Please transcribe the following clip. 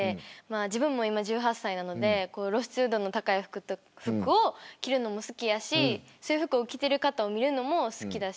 自分も今、１８歳なので露出度の高い服を着るのも好きだしそういう服を着ている方を見るのも好きだし。